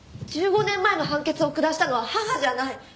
１５年前の判決を下したのは母じゃない。